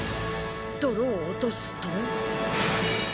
泥を落とすと。